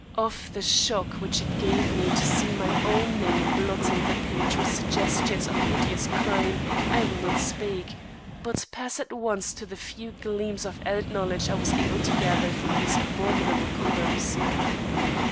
Of the shock which it gave me to see my own name blotting the page with suggestions of hideous crime, I will not speak, but pass at once to the few gleams of added knowledge I was able to gather from those abominable columns.